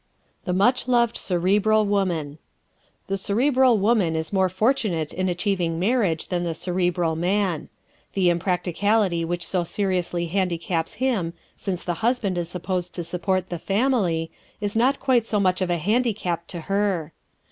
The Much Loved Cerebral Woman ¶ The Cerebral woman is more fortunate in achieving marriage than the Cerebral man. The impracticality which so seriously handicaps him, since the husband is supposed to support the family, is not quite so much of a handicap to her.